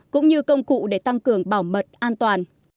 cũng như công cụ để tăng cường bảo mật an toàn